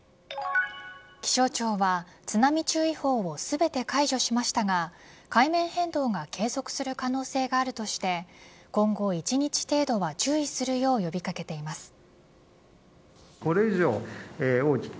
気象庁は津波注意報を全て解除しましたが海面変動が継続する可能性があるとして今後、１日程度は注意するよう呼び掛けています。